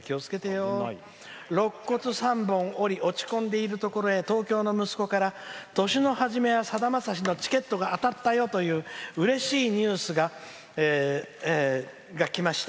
ろっ骨３本、折り落ち込んでいるところに東京の息子から年の初めはさだまさしのチケットが当たったよといううれしいニュースがきました。